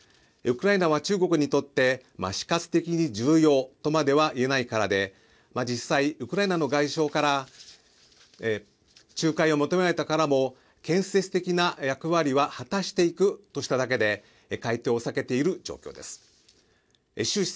ウクライナは中国にとって死活的に重要とまではいえないからで実際ウクライナの外相から仲介を求められてからも建設的な役割は果たしていくとしただけで回答を避けている状況です。